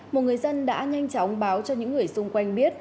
một người dân đã nhanh chóng báo cho những người xung quanh biết